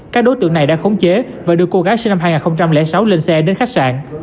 các đối tượng này đã khống chế và đưa cô gái sinh năm hai nghìn sáu lên xe đến khách sạn